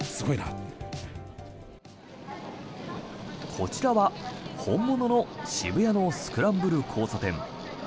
こちらは本物の渋谷のスクランブル交差点。